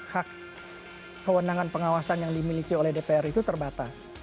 hak kewenangan pengawasan yang dimiliki oleh dpr itu terbatas